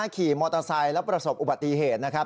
ขี่มอเตอร์ไซค์แล้วประสบอุบัติเหตุนะครับ